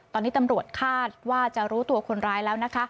ตอนนี้ตำรวจคาดว่าจะรู้ตัวคนร้ายแล้วนะคะ